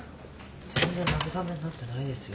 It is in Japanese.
全然慰めになってないですよ。